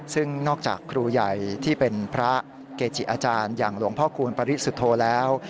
ซึ่งนอกจากครูใหญ่ที่เป็นพระเกจิอาจารย์อย่างหลวงพ่อคูณปริสุทธโธแล้ว